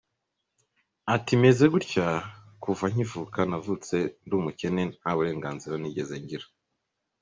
Ati "Meze gutya kuva nkivuka, navutse ndi umukene nta burenganzira nigeze ngira.